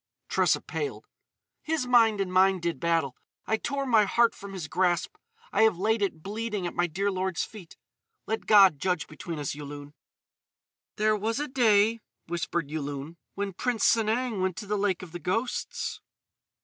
Tressa paled: "His mind and mine did battle. I tore my heart from his grasp. I have laid it, bleeding, at my dear lord's feet. Let God judge between us, Yulun." "There was a day," whispered Yulun, "when Prince Sanang went to the Lake of the Ghosts."